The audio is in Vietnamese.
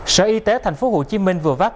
sở y tế tp hcm vừa vác